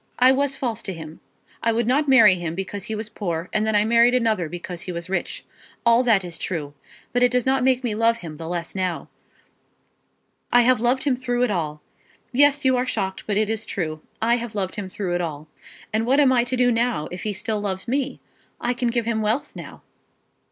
I was false to him. I would not marry him because he was poor; and then I married another because he was rich. All that is true. But it does not make me love him the less now. I have loved him through it all. Yes; you are shocked, but it is true. I have loved him through it all. And what am I to do now, if he still loves me? I can give him wealth now."